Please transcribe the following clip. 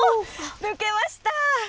抜けました。